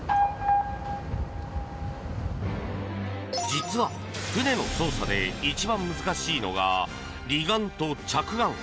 実は船の操作で一番難しいのが離岸と着岸。